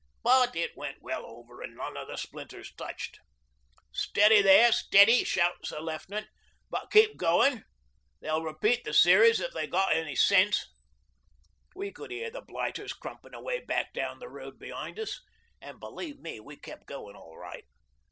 But it went well over an' none of the splinters touched. '"Steady there, steady," shouts the Left'nant "but keep goin'. They'll repeat the series if they've any sense." We could hear the blighters crumpin' away back down the road behind us, an' believe me we kep' goin' all right.